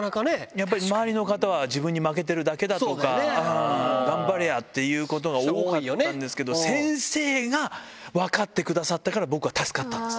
やっぱり周りの方は、自分に負けてるだけだとか、頑張れやっていうことが多かったんですけど、先生が分かってくださったから、僕は助かったんです。